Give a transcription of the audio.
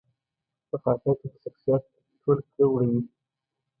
په خاکه کې د شخصیت ټول کړه وړه وي.